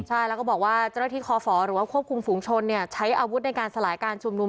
ใช่แล้วก็บอกว่าเจ้าหน้าที่คอฝหรือว่าควบคุมฝูงชนใช้อาวุธในการสลายการชุมนุม